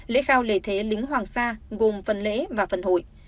lễ khao lề thế lính hoàng sa gồm phần lễ và phần hội